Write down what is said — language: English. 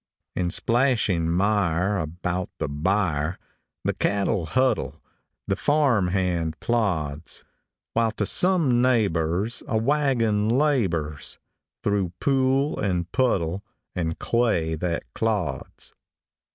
In splashing mire about the byre The cattle huddle, the farm hand plods; While to some neighbor's a wagon labors Through pool and puddle and clay that clods.